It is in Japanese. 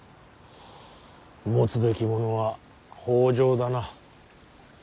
持つべきものは北条だな。